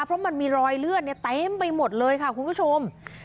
เพราะมันมีรอยเลือดเต็มไปหมดเลยค่ะคุณผู้ชม